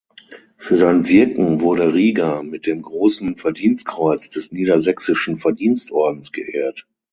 Für sein Wirken wurde Rieger mit dem Großen Verdienstkreuz des Niedersächsischen Verdienstordens geehrt.